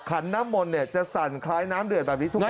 ขันน้ำมนต์จะสั่นคล้ายน้ำเดือดแบบนี้ทุกครั้ง